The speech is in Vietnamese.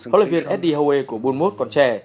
họ là viên sd hoa của bốn một còn trẻ